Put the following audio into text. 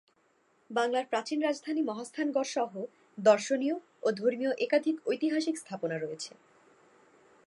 বাংলার প্রাচীন রাজধানী মহাস্থানগড়সহ দর্শনীয় ও ধর্মীয় একাধিক ঐতিহাসিক স্থাপনা রয়েছে।